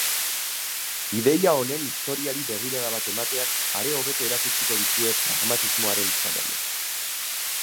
Ideia honen historiari begirada bat emateak are hobeto erakutsiko dizue pragmatismoaren esan-nahia.